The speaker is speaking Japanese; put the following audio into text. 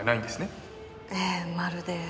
ええまるで。